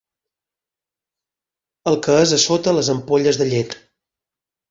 El que és a sota les ampolles de llet.